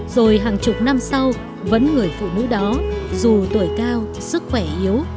rồi hàng chục năm sau vẫn người phụ nữ đó dù tuổi cao sức khỏe yếu